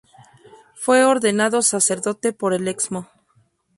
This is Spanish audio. Fue ordenado Sacerdote por el Excmo.